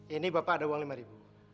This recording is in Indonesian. ini bapak ada uang lima ribu